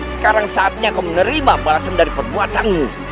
sekarang saatnya kau menerima balasan dari perbuatanmu